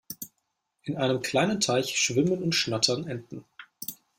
In einem kleinen Teich schwimmen und schnattern Enten.